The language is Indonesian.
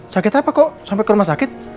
sakit apa kok sampai ke rumah sakit